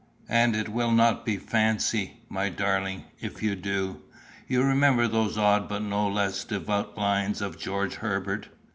"And it will not be fancy, my darling, if you do. You remember those odd but no less devout lines of George Herbert?